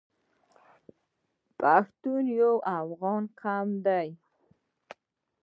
پښتون یو افغان قوم دی.